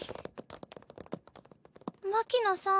牧野さん。